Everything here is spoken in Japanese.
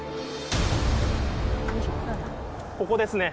ここですね。